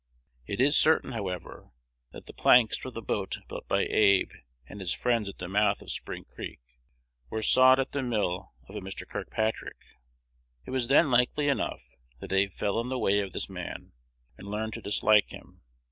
It is certain, however, that the planks for the boat built by Abe and his friends at the mouth of Spring Creek were sawed at the mill of a Mr. Kirkpatrick. It was then, likely enough, that Abe fell in the way of this man, and learned to dislike him.